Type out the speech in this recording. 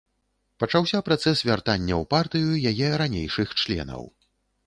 Пачаўся працэс вяртання ў партыю яе ранейшых членаў.